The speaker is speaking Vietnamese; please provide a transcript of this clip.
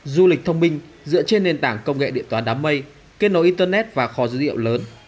du lịch thông minh dựa trên nền tảng công nghệ điện toán đám mây kết nối internet và kho dữ liệu lớn